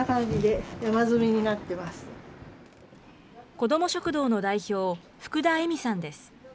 子ども食堂の代表、福田恵美さんです。